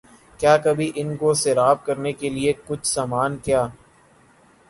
کیا کبھی ان کو سیراب کرنے کیلئے کچھ سامان کیا